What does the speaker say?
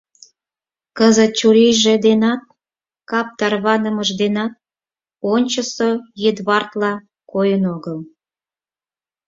Кызыт чурийже денат, кап тарванымашыж денат ончычсо Эдвардла койын огыл.